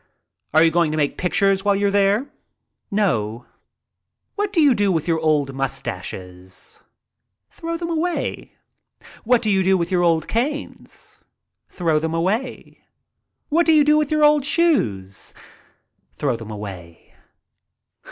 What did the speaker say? "Are you going to make pictures while you are there?" "No." I DECIDE TO PLAY HOOKEY 5 "What do you do with your old mustaches?" "Throw them away." "What do you do with your old canes?" "Throw them away." "What do you do with your old shoes?" " Throw them away."